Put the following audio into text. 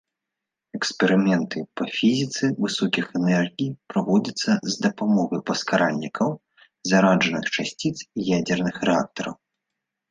Эксперыменты па фізіцы высокіх энергій праводзяцца з дапамогай паскаральнікаў зараджаных часціц і ядзерных рэактараў.